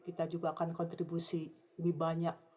kita juga akan kontribusi lebih banyak